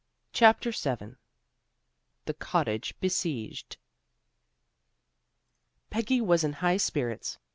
CHAPTER VII THE COTTAGE BESIEGED Peggy was in high spirits.